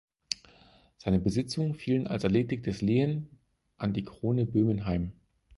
Seine Besitzungen fielen als erledigtes Lehen an die Krone Böhmen heim.